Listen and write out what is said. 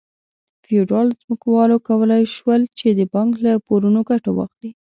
فیوډال ځمکوالو کولای شول چې د بانک له پورونو ګټه واخلي.